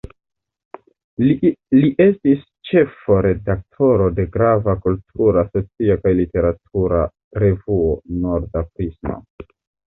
Li estis ĉefo-redaktoro de grava kultura, socia kaj literatura revuo "Norda Prismo".